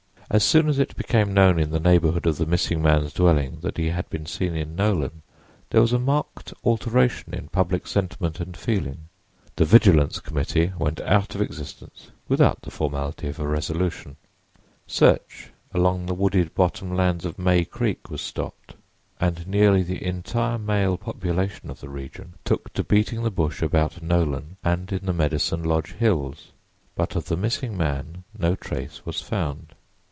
As soon as it became known in the neighborhood of the missing man's dwelling that he had been seen in Nolan there was a marked alteration in public sentiment and feeling. The vigilance committee went out of existence without the formality of a resolution. Search along the wooded bottom lands of May Creek was stopped and nearly the entire male population of the region took to beating the bush about Nolan and in the Medicine Lodge Hills. But of the missing man no trace was found.